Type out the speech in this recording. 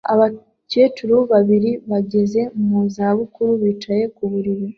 Abakecuru babiri bageze mu za bukuru bicaye ku buriri